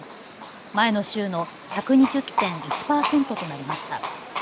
前の週の１２０．１％となりました。